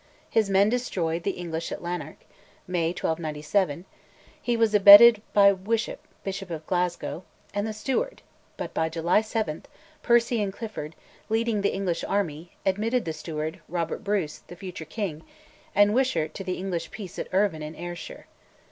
His men destroyed the English at Lanark (May 1297); he was abetted by Wishart, Bishop of Glasgow, and the Steward; but by July 7, Percy and Clifford, leading the English army, admitted the Steward, Robert Bruce (the future king), and Wishart to the English peace at Irvine in Ayrshire.